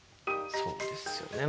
そうですよね。